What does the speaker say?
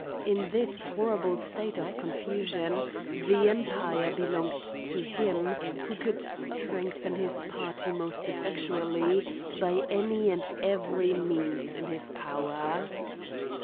In this horrible state of confusion, the empire belonged to him who could strengthen his party most effectually, by any and every means in his power.